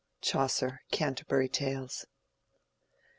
—CHAUCER: Canterbury Tales.